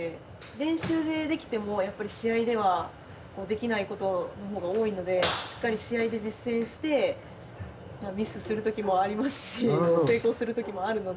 練習でできても、やっぱり試合ではできないことのほうが多いので、しっかり試合で実践して、ミスするときもありますし、成功するときもあるので。